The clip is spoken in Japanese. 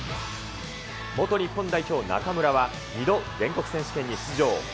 元日本代表、中村は、２度全国選手権に出場。